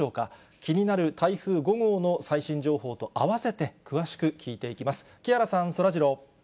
気になる台風５号の最新情報と併せて詳しく聞いていきます。